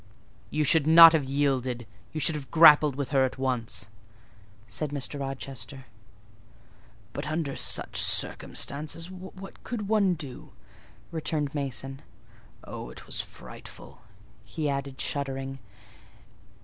"You should not have yielded: you should have grappled with her at once," said Mr. Rochester. "But under such circumstances, what could one do?" returned Mason. "Oh, it was frightful!" he added, shuddering.